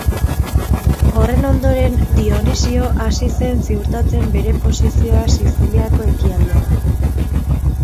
Horren ondoren, Dionisio hasi zen ziurtatzen bere posizioa Siziliako ekialdean.